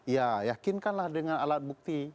ya yakinkanlah dengan alat bukti